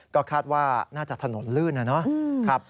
ก็คาดว่าน่าจะถนนลื่นนะครับ